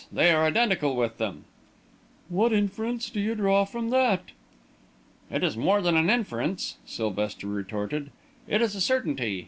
They are identical with them." "What inference do you draw from that?" "It is more than an inference," Sylvester retorted. "It is a certainty.